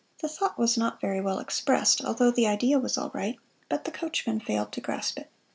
The thought was not very well expressed, although the idea was all right, but the coachman failed to grasp it.